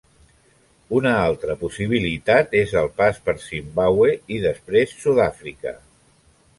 Una altra possibilitat és el pas per Zimbàbue i després Sud-àfrica.